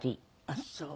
あっそう。